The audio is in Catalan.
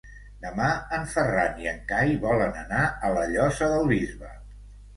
Demà en Ferran i en Cai volen anar a la Llosa del Bisbe.